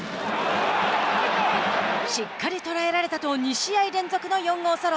しっかり捉えられたと２試合連続の４号ソロ。